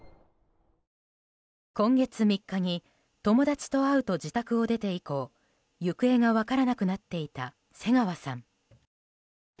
今月３日に友達と会うと自宅を出て以降行方が分からなくなっていた瀬川さん。